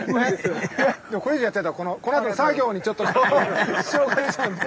でもこれ以上やっちゃうとこのあとの作業にちょっと支障が出ちゃうんで。